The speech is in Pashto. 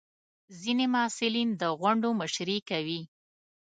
ځینې محصلین د غونډو مشري کوي.